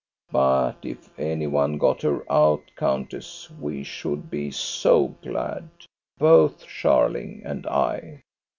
But if any one got her out, countess, we should be so glad, both Scharling and I."